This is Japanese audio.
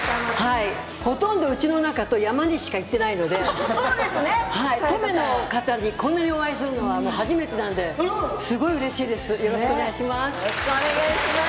ほとんどうちの中と山にしか行っていないので登米の方にこんなにお会いするのは初めてなのですごいうれしいです。